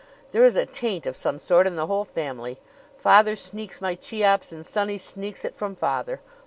There is a taint of some sort in the whole family. Father sneaks my Cheops and sonny sneaks it from father.